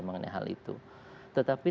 mengenai hal itu tetapi